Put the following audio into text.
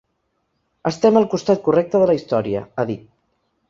Estem al costat correcte de la història, ha dit.